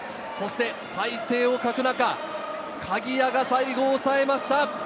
大勢を欠く中、鍵谷が最後を抑えました。